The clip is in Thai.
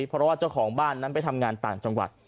เพราะว่าเจ้าของบ้านนั้นไปทำงานต่างจังหวัด